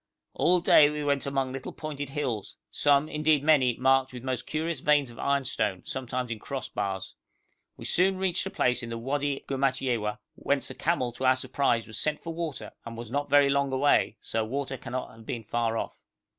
All day we went among little pointed hills, some, indeed many, marked with most curious veins of ironstone, sometimes in cross bars. We soon reached a place in the Wadi Gumatyewa, whence a camel to our surprise was sent for water, and was not very long away, so water cannot have been far off.